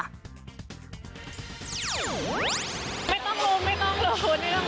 ไม่ต้องรู้ไม่ต้องรู้